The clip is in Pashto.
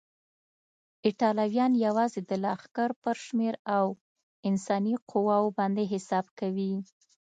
ایټالویان یوازې د لښکر پر شمېر او انساني قواوو باندې حساب کوي.